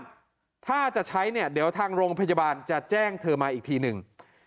ถ้าจะใช้เนี่ยเดี๋ยวทางโรงพยาบาลจะแจ้งเธอมาอีกทีหนึ่ง